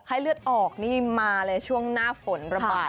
เลือดออกนี่มาเลยช่วงหน้าฝนระบาด